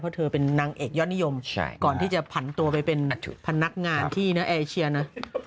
เพราะเธอเป็นนางเอกยอดนิยมก่อนที่จะผันตัวไปเป็นพนักงานที่นะเอเชียนะ